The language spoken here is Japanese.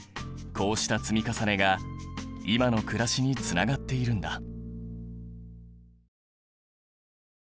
こうした積み重ねが今の暮らしにつながっているんだ。